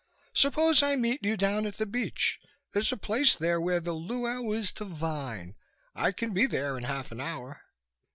Suppose I meet you down at the Beach? There's a place there where the luau is divine. I can be there in half an hour."